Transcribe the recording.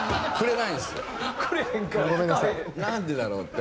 なんでだろう？って。